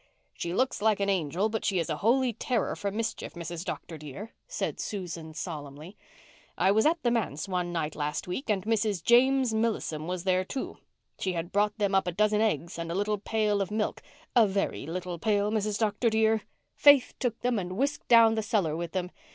"She looks like an angel but she is a holy terror for mischief, Mrs. Dr. dear," said Susan solemnly. "I was at the manse one night last week and Mrs. James Millison was there, too. She had brought them up a dozen eggs and a little pail of milk—a very little pail, Mrs. Dr. dear. Faith took them and whisked down the cellar with them.